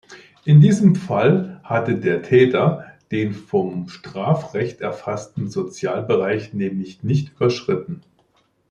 In diesem Fall hat der Täter den vom Strafrecht erfassten Sozialbereich nämlich nicht überschritten.